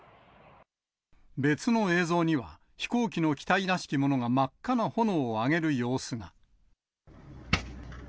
別の映像には、飛行機の機体らしきものが真っ赤な炎を上げる様子が。